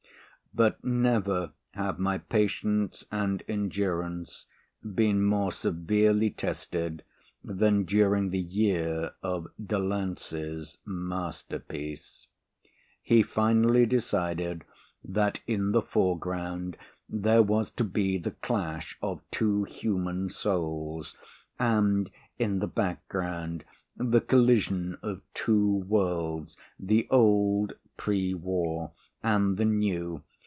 But never have my patience and endurance been more severely tested than during the year of Delancey's masterpiece. He finally decided that in the foreground, there was to be the clash of two human souls and in the background, the collision of two worlds the old (pre War) and the new.